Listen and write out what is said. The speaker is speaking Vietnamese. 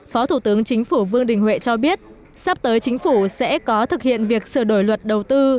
phó thủ tướng chính phủ vương đình huệ cho biết sắp tới chính phủ sẽ có thực hiện việc sửa đổi luật đầu tư